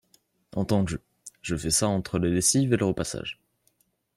Entendu, je fais ça entre les lessives et le repassage.